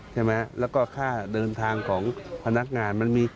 ใช่ไหมแล้วก็ค่าเดินทางของพนักงานมันมี